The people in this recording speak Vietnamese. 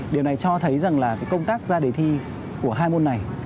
điểm này cho thấy rằng công tác ra đề thi của hai môn này